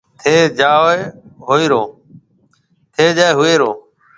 ٿَي جائي هوئيرو۔